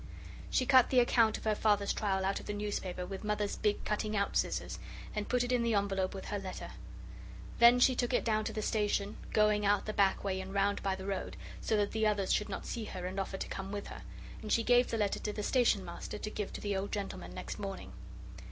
She cut the account of her Father's trial out of the newspaper with Mother's big cutting out scissors, and put it in the envelope with her letter. Then she took it down to the station, going out the back way and round by the road, so that the others should not see her and offer to come with her, and she gave the letter to the Station Master to give to the old gentleman next morning.